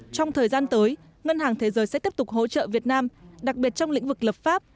trong thời gian tới ngân hàng thế giới sẽ tiếp tục hỗ trợ việt nam đặc biệt trong lĩnh vực lập pháp